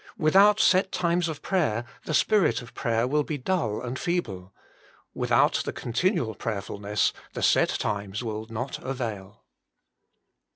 Without set times of prayer the spirit of prayer will be dull and feeble. Without the continual prayerfulness the set times will not avail.